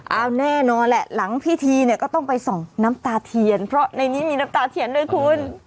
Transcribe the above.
เอาแน่นอนแหละหลังพิธีเนี่ยก็ต้องไปส่องน้ำตาเทียนเพราะในนี้มีน้ำตาเทียนด้วยคุณ